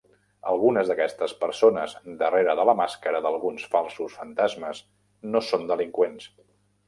Algunes d'aquestes persones darrere de la màscara d'alguns falsos fantasmes no són delinqüents.